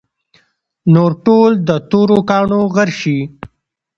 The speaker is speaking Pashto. نور ټول د تورو کاڼو غر شي.